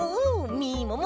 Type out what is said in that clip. みもも。